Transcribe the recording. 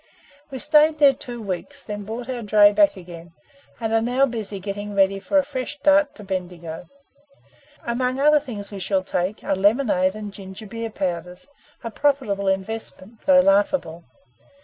We stayed there two weeks, then brought our dray back again, and are now busy getting ready for a fresh start to Bendigo. Among other things we shall take, are lemonade and ginger beer powders, a profitable investment, though laughable.